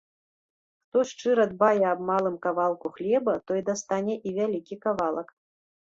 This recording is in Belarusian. Хто шчыра дбае аб малым кавалку хлеба, той дастане і вялікі кавалак.